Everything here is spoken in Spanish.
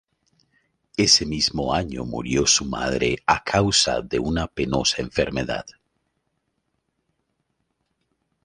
Ese mismo año murió su madre a causa de una penosa enfermedad.